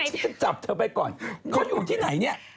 ฉันจับเธอไปก่อนเขาอยู่ที่ไหนเนี่ย